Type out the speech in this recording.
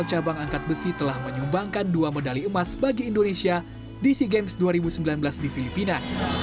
cabang angkat besi telah menyumbangkan dua medali emas bagi indonesia di sea games dua ribu sembilan belas di filipina